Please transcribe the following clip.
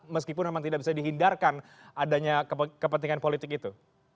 meskipun memang tidak bisa dihindarkan adanya kepentingan politik itu